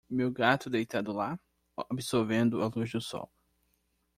Meu gato deitado lá? absorvendo a luz do sol.